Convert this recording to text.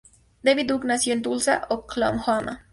David Duke nació en Tulsa, Oklahoma.